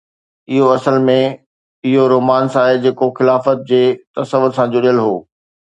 اهو اصل ۾ اهو رومانس آهي جيڪو خلافت جي تصور سان جڙيل هو.